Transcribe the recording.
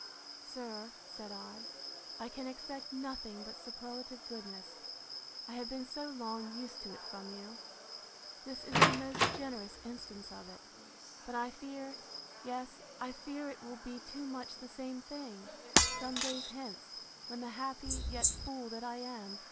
Sir, said I, I can expect nothing but superlative goodness, I have been so long used to it from you. This is a most generous instance of it; but I fear—yes, I fear it will be too much the same thing, some days hence, when the happy, yet, fool that I am!